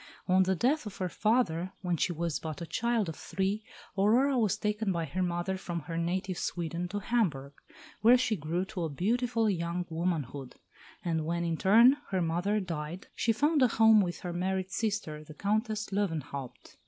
On the death of her father, when she was but a child of three, Aurora was taken by her mother from her native Sweden to Hamburg, where she grew to beautiful young womanhood; and when, in turn, her mother died, she found a home with her married sister, the Countess Löwenhaupt.